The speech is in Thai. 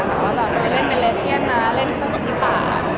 ว่าเราเล่นเป็นเลสเบียนนะเล่นโฟล์กับพี่ปาก